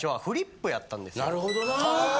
なるほどな。